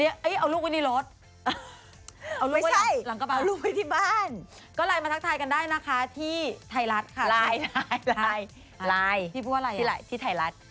เอ้ยเอาลูกไว้ในรถเอาลูกไว้ที่บ้านก็ไลน์มาทักทายกันได้นะคะที่ไทรัฐค่ะไลน์ไทรัฐไลน์พี่พูดว่าอะไรอ่ะที่ไทรัฐ